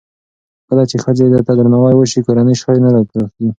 کله چې ښځو ته درناوی وشي، کورني شخړې نه پراخېږي.